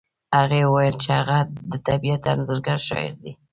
هغې وویل چې هغه د طبیعت انځورګر شاعر دی